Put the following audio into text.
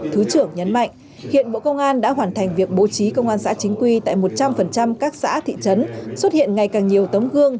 thứ trưởng nhấn mạnh hiện bộ công an đã hoàn thành việc bố trí công an xã chính quy tại một trăm linh các xã thị trấn xuất hiện ngày càng nhiều tấm gương